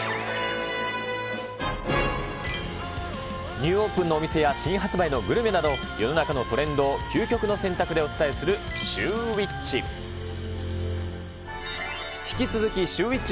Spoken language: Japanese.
ニューオープンのお店や新発売のグルメなど、世の中のトレンドを究極の選択でお伝えするシューＷｈｉｃｈ。